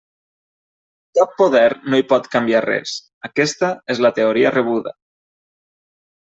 Cap poder no hi pot canviar res: aquesta és la teoria rebuda.